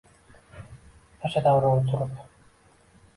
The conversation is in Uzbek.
Yasha davron surib